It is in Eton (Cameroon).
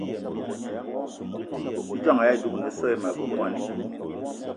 Ijon ayì dúgne so àyi ma ve mwani